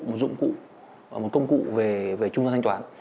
một dụng cụ một công cụ về trung gian thanh toán